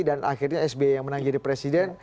dan akhirnya sbi yang menang jadi presiden